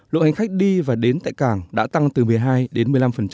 lượng hành khách đi và đến tại cảng đã tăng từ một mươi hai đến một mươi năm